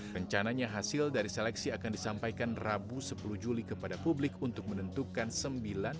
rencananya hasil dari seleksi akan disampaikan rabu sepuluh juli kepada publik untuk menentukan sembilan